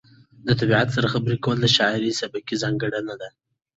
د طبیعت سره خبرې کول د شاعر سبکي ځانګړنه ده.